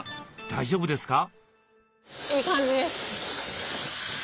大丈夫ですか？